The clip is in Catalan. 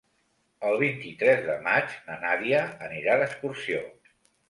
El vint-i-tres de maig na Nàdia anirà d'excursió.